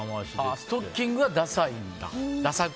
ストッキングはダサいんだ。